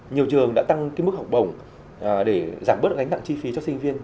nhiều trường đã tăng cái mức học bổng để giảm bớt gánh đặng chi phí cho sinh viên